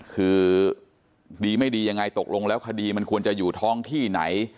คือดีไม่ดียังไงตกลงแล้วคดีมันควรจะอยู่ท้องที่ไหน